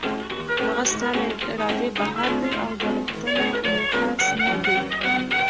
هغه ستا له ارادې بهر دی او د غوښتنو انعکاس نه دی.